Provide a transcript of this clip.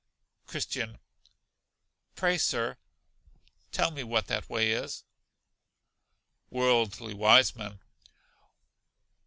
Christian. Pray, Sir, tell me what that way is. Worldly Wiseman.